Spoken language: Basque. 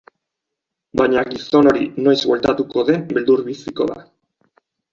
Baina gizon hori noiz bueltatuko den beldur biziko da.